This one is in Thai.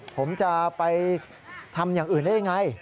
ผมจะไปทำอย่างอื่นได้ยังไง